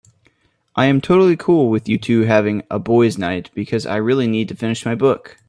I am totally cool with you two having a boys' night because I really need to finish my book.